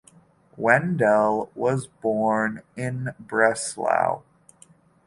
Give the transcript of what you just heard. Wendel was born in Breslau.